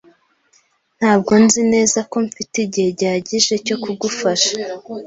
Ntabwo nzi neza ko mfite igihe gihagije cyo kugufasha.